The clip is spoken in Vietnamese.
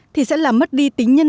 thì sẽ làm mất đi tính nhân